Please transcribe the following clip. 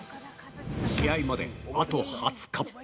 試合まで、あと２０日。